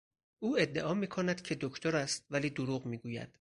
او ادعا میکند که دکتر است ولی دروغ میگوید.